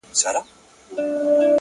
• د زمان هري شېبې ته انتها سته ,